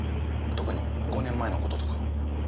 特に５年前の事とか。